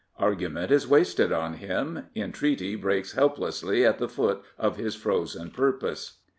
Argument is wasted on him, entreaty breaks helplessly at the foot of his frozen purpose.